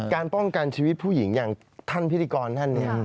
การป้องกันชีวิตผู้หญิงอย่างท่านพิธีกรท่านเนี่ย